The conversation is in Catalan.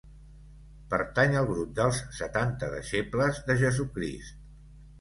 Pertany al grup dels setanta deixebles de Jesucrist.